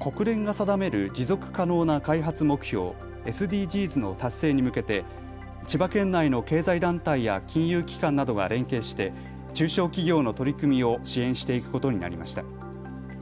国連が定める持続可能な開発目標、ＳＤＧｓの達成に向けて千葉県内の経済団体や金融機関などが連携して中小企業の取り組みを支援していくことになりました。